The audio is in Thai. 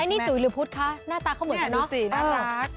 นี่จุ๋ยหรือพุทธคะหน้าตาเขาเหมือนกันเนาะน่ารัก